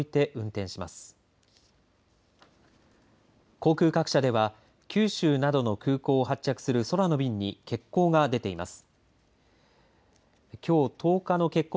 航空各社では九州などの空港を発着する空の便に欠航が出ています。